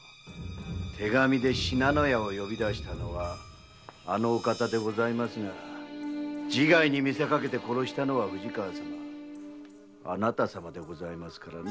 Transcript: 手紙で信濃屋を呼び出したのはあの方でございますが自害に見せかけて殺したのは藤川様あなた様ですからな。